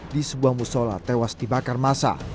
di sebuah musola tewas dibakar masa